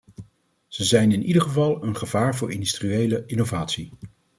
Ze zijn in ieder geval een gevaar voor industriële innovatie.